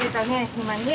今ね。